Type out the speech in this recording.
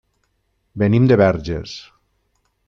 Venim de Verges.